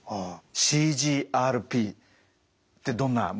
ＣＧＲＰってどんなものなんでしょうか？